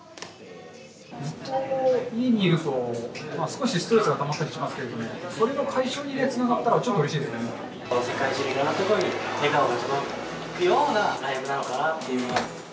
ずっと家にいると、少しストレスがたまったりしますけれども、それの解消につながったら、世界中、いろんなところに笑顔が届くようなライブなのかなという。